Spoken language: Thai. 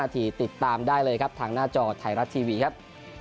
ทีติดตามได้เลยครับทางหน้าจอไทยรัฐทีวีครับ